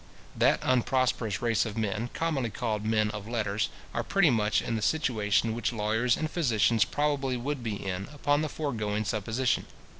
That unprosperous race of men, commonly called men of letters, are pretty much in the situation which lawyers and physicians probably would be in, upon the foregoing supposition.